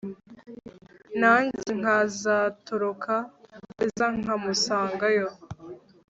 nanjye nkazatoroka gereza nkamusangayo